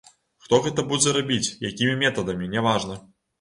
Хто гэта будзе рабіць, якімі метадамі, няважна.